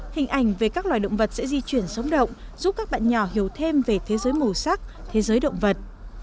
hình ảnh về các loài động vật sẽ di chuyển sống động giúp các bạn nhỏ hiểu thêm về thế giới màu sắc thế giới động vật